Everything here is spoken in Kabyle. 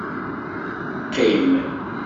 Qqim!